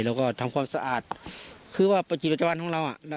เราก็ทำความสะอาดคือว่าประจีนประจำวันของเราอ่ะ